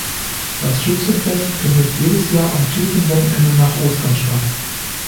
Das Schützenfest findet jedes Jahr am vierten Wochenende nach Ostern statt.